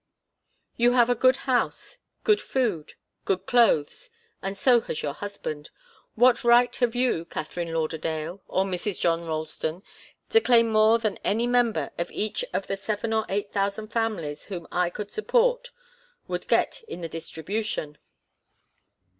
'You have a good house, good food, good clothes and so has your husband. What right have you, Katharine Lauderdale, or Mrs. John Ralston, to claim more than any member of each of the seven or eight thousand families whom I could support would get in the distribution?